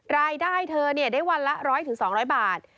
รายได้เธอได้วันละ๑๐๐๒๐๐บาท